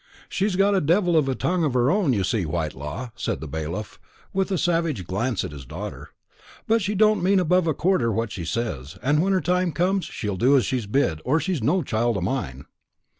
"She's got a devil of a tongue of her own, you see, Whitelaw," said the bailiff, with a savage glance at his daughter; "but she don't mean above a quarter what she says and when her time comes, she'll do as she's bid, or she's no child of mine."